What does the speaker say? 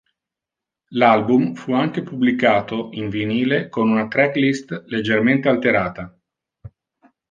L'album fu anche pubblicato in vinile con una tracklist leggermente alterata.